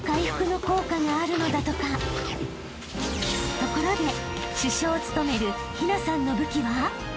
［ところで主将を務める陽奈さんの武器は？］